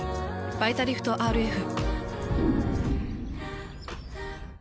「バイタリフトＲＦ」。